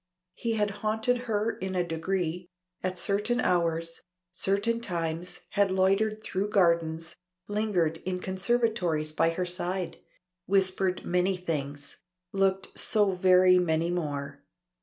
He had haunted her in a degree, at certain hours, certain times, had loitered through gardens, lingered in conservatories by her side, whispered many things looked so very many more.